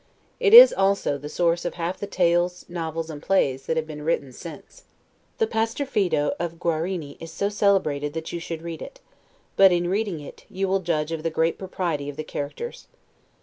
It is, also, the source of half the tales, novels, and plays, that have been written since. The 'Pastor Fido' of Guarini is so celebrated, that you should read it; but in reading it, you will judge of the great propriety of the characters.